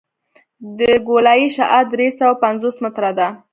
د ګولایي شعاع درې سوه پنځوس متره ده